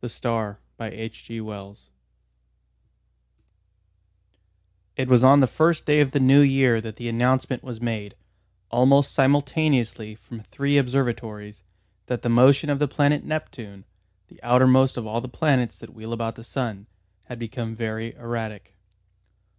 The Star THE STAR It was on the first day of the new year that the announcement was made, almost simultaneously from three observatories, that the motion of the planet Neptune, the outermost of all the planets that wheel about the sun, had become very erratic.